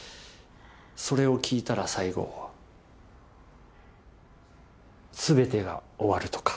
それを聞いたら最後全てが終わるとか。